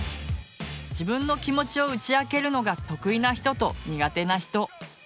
自分の気持ちを打ち明けるのが得意な人と苦手な人。